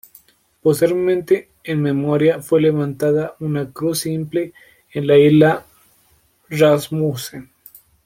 Posteriormente, en memoria, fue levantada una cruz simple en la isla Rasmussen.